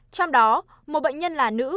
trong đó một bệnh nhân là nữ